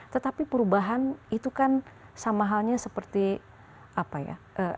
tetapi perubahan itu kan sama halnya seperti apa ya